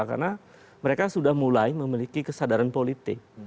karena mereka sudah mulai memiliki kesadaran politik